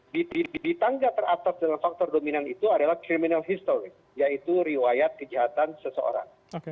di tangga teratas dalam faktor dominan itu adalah criminal history yaitu riwayat kejahatan seseorang